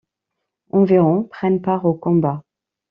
Environ prennent part au combat.